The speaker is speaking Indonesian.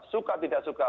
suka tidak suka